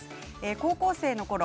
高校生のころ